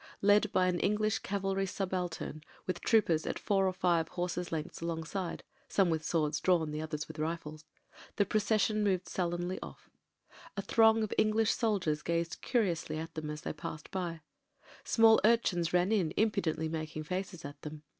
Led by an English cavalry subaltern, with troopers at four or five horses' lengths alongside — some with swords drawn, the others with rifles — the procession moved sullenly off. A throng of English soldiers gazed curiously at them as they passed by; small urchins ran in impudently making faces at them.